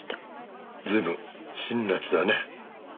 随分辛辣だね。